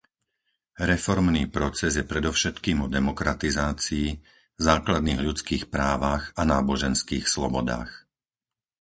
Reformný proces je predovšetkým o demokratizácii, základných ľudských právach a náboženských slobodách.